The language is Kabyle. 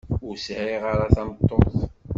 Ur sɛiɣ ara tameṭṭut.